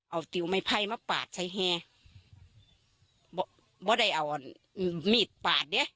เอาติวไม่ไภมาปาดใช้แฮไม่ได้เอาอืมมีดปาดเนี้ย